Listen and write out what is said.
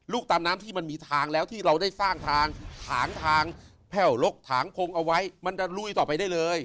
ตามน้ำที่มันมีทางแล้วที่เราได้สร้างทางถางทางแพ่วลกถางพงเอาไว้มันจะลุยต่อไปได้เลย